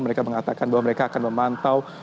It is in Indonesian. mereka mengatakan bahwa mereka akan memantau